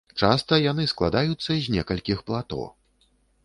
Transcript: Часта яны складаюцца з некалькіх плато.